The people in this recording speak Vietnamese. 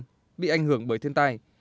đã bị ảnh hưởng bởi thiên tài